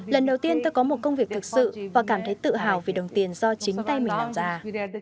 lần đầu tiên tôi có một công việc thực sự và cảm thấy tự hào vì đồng tiền do chính tay mình làm ra